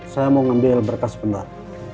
saya mau ngambil berkas benar